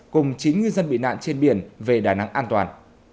cùng chín ngư dân bị nạn trên biển về đà nẵng an toàn